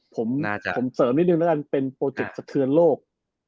โธจสะเทือนโรค